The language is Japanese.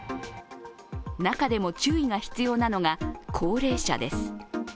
中でも注意が必要なのが高齢者です。